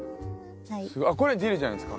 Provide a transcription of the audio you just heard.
これディルじゃないですか？